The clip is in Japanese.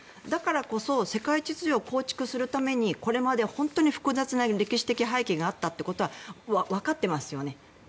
だからこそ世界秩序を構築するためにこれまで本当に複雑な歴史的背景があったことはわかっていますよね。